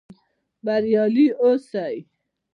بریالي اوسئ؟